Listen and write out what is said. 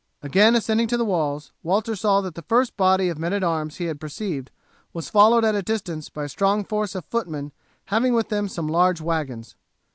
Again ascending to the walls Walter saw that the first body of men at arms he had perceived was followed at a distance by a strong force of footmen having with them some large wagons.